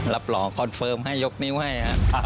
รับรองคอนเฟิร์มให้ยกนิ้วให้